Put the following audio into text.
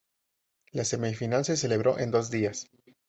La semifinal se celebró en dos días.